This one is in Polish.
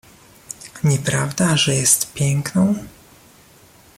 "Nieprawda że jest piękną?"